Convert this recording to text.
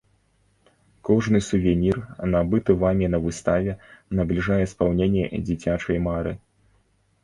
Кожны сувенір, набыты вамі на выставе, набліжае спаўненне дзіцячай мары!